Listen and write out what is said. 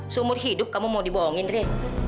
seumur hidup kamu mau dibohongin deh